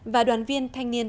và đoàn viên thanh niên